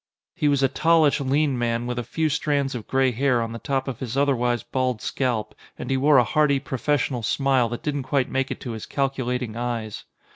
He was a tallish, lean man with a few strands of gray hair on the top of his otherwise bald scalp, and he wore a hearty, professional smile that didn't quite make it to his calculating eyes.